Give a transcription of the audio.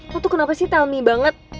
lo tuh kenapa sih tell me banget